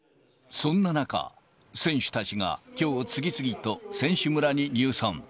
そんな中、選手たちがきょう、次々と選手村に入村。